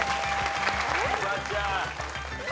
フワちゃん。